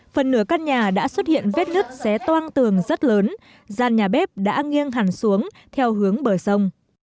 phần nửa căn nhà đã xuất hiện vết nứt xé toan tường rất lớn gian nhà bếp đã nghiêng hẳn xuống theo hướng bờ sông